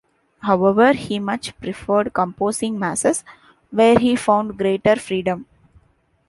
However, he much preferred composing Masses, where he found greater freedom.